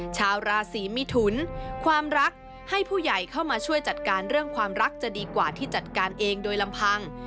ชาวราศีมิถุนความรักให้ผู้ใหญ่เข้ามาช่วยจัดการเรื่องความรักจะดีกว่าที่จัดการเองโดยลำพัง